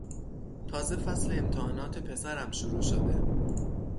تازه فصل امتحانات پسرم شروع شده